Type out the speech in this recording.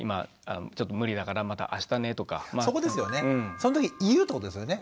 そん時言うってことですよね。